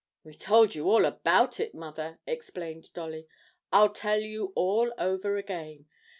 'We told you all about it, mother,' explained Dolly; 'I'll tell you all over again.